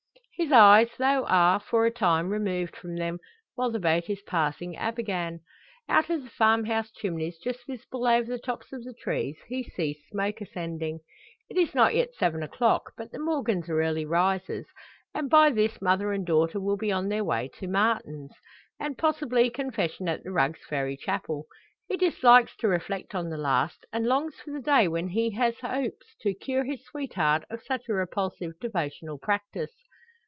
His eyes, though, are for a time removed from them, while the boat is passing Abergann. Out of the farmhouse chimneys just visible over the tops of the trees, he sees smoke ascending. It is not yet seven o'clock, but the Morgans are early risers, and by this mother and daughter will be on their way to Matins, and possibly Confession at the Rugg's Ferry Chapel. He dislikes to reflect on the last, and longs for the day when he has hopes to cure his sweetheart of such a repulsive devotional practice.